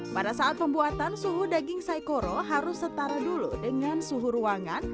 pada saat pembuatan suhu daging saikoro harus setara dulu dengan suhu ruangan